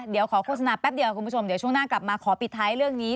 เดี๋ยวขอโฆษณาแป๊บเดียวคุณผู้ชมเดี๋ยวช่วงหน้ากลับมาขอปิดท้ายเรื่องนี้